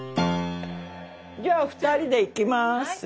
じゃあ２人でいきます。